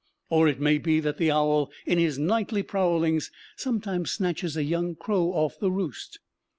Or it may be that the owl in his nightly prowlings sometimes snatches a young crow off the roost.